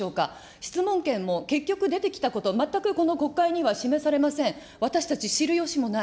質問権も結局、出てきたこと、全くこの国会には示されません、私たち、知る由もない。